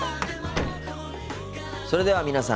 それでは皆さん